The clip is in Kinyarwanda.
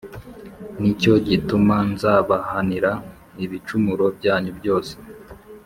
ni cyo gituma nzabahanira ibicumuro byanyu byose.”